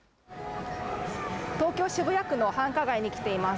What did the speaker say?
東京・渋谷区の繁華街に来ています。